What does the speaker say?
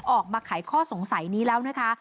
ออกมาขายข้อสงสัยนี้แล้วนะคะ